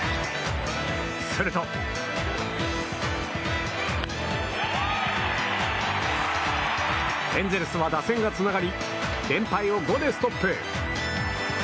するとエンゼルスは打線がつながり連敗を５でストップ。